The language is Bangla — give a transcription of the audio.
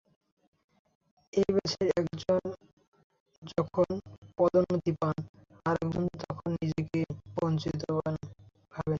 একই ব্যাচের একজন যখন পদোন্নতি পান, আরেকজন তখন নিজেকে বঞ্চিত ভাবেন।